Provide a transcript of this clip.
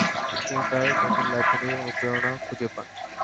তিনি তার নতুন লেখনীর অনুপ্রেরণা খুঁজে পান।